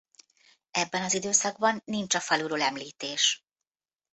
Ebben az időszakban nincs a faluról említés.